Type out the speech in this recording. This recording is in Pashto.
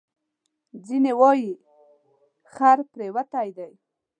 ځینې وایي خر پرېوتی دی.